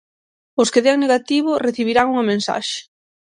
Os que dean negativo recibirán unha mensaxe.